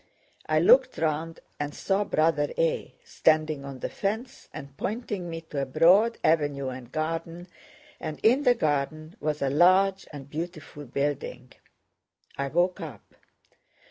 I looked round and saw Brother A. standing on the fence and pointing me to a broad avenue and garden, and in the garden was a large and beautiful building. I woke up.